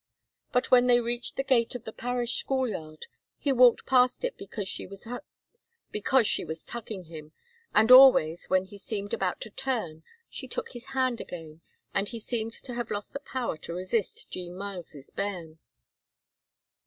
But when they reached the gate of the parish school yard he walked past it because she was tugging him, and always when he seemed about to turn she took his hand again, and he seemed to have lost the power to resist Jean Myles's bairn.